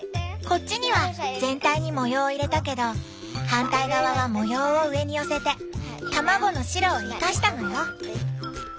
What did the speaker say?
こっちには全体に模様を入れたけど反対側は模様を上に寄せて卵の白を生かしたのよ。